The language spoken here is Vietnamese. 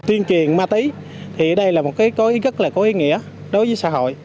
tuyên truyền ma túy thì đây là một cái rất là có ý nghĩa đối với xã hội